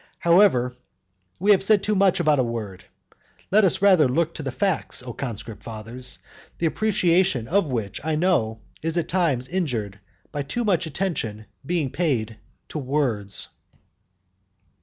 However, we have said too much about a word; let us rather look to the facts, O conscript fathers, the appreciation of which, I know, is at times injured by too much attention being paid to words.